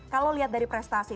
kalau lihat dari prestasi